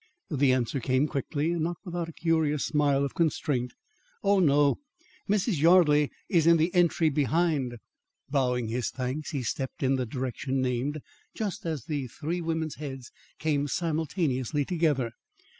The answer came quickly, and not without a curious smile of constraint: "Oh, no. Mrs. Yardley is in the entry behind." Bowing his thanks, he stepped in the direction named, just as the three women's heads came simultaneously together.